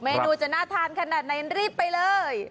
เมนูจะน่าทานขนาดไหนรีบไปเลย